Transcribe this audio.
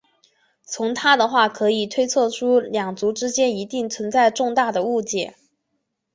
从她的话可推测出两族之间一定存在重大的误解。